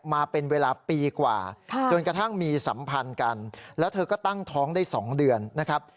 มาเป็นเวลาปีกว่าจนกระทั่งมีสัมพันธ์กันแล้วเธอก็ตั้งท้องได้๒เดือนนะครับ